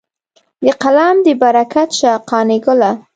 د قلم دې برکت شه قانع ګله.